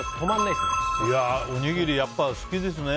いや、おにぎりやっぱり好きですね。